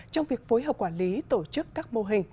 trong việc phối hợp quản lý tổ chức các mô hình